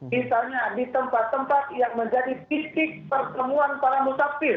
misalnya di tempat tempat yang menjadi titik pertemuan para musafir